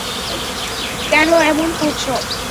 কেন এমন করছ?